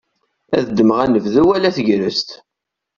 Ad ddmeɣ anebdu wala tagrest.